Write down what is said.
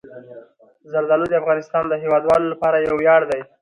زردالو د افغانستان د هیوادوالو لپاره یو ویاړ دی.